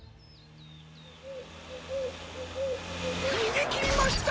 にげきりました！